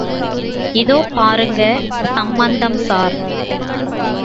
இதோ பாருங்க சம்பந்தம் ஸார்.